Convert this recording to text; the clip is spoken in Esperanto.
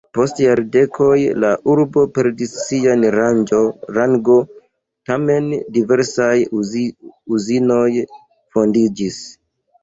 Post jardekoj la urbo perdis sian rangon, tamen diversaj uzinoj fondiĝis.